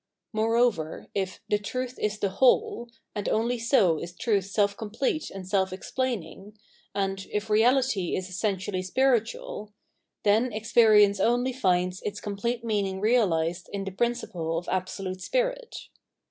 Moreover, if " the truth is the whole," and only so is truth self complete and self explaining, and, if reality is essentially spiritual — then experience only finds its complete meaning realised in the principle of Absolute Spirit.